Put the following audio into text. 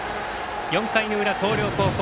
４回の裏、広陵高校。